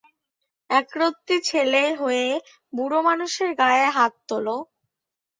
একরত্তি ছেলে হয়ে বুড়োমানুষের গায়ে হাত তোল!